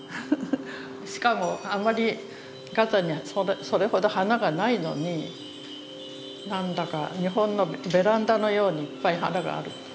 しかもあまりガザにはそれほど花がないのになんだか日本のベランダのようにいっぱい花がある。